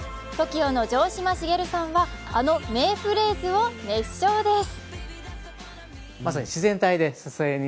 ＴＯＫＩＯの城島茂さんは、あの名フレーズを熱唱です。